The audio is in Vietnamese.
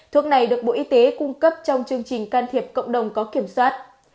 thuốc này được bộ y tế cung cấp trong chương trình can thiệp cộng đồng có kiểm soát